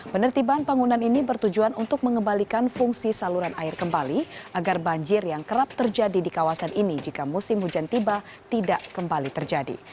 penertiban bangunan ini bertujuan untuk mengembalikan fungsi saluran air kembali agar banjir yang kerap terjadi di kawasan ini jika musim hujan tiba tidak kembali terjadi